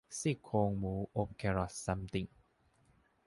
ซี่โครงหมูอบแครอตซัมติง